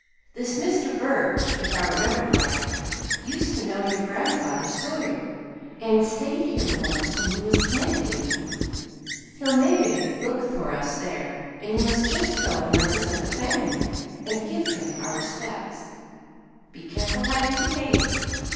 This Mr. Burch, if I remember right, used to know your grandfather Sawyer, and stayed here once when he was candidatin'. He'll mebbe look for us there, and you must just go and represent the family, an' give him our respects. Be careful how you behave.